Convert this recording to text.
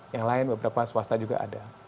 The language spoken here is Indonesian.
yang lain beberapa swasta juga ada